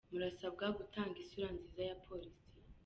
Murasabwa gutanga isura nziza ya polisi”.